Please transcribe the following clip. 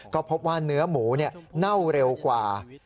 ก็พบว่าเนื้อหมูเน่าเร็วกว่า